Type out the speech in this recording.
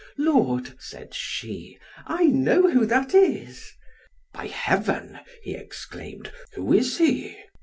"Lord," said she, "I know who that is." "By Heaven," he exclaimed, "who is he?"